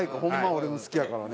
俺も好きやからね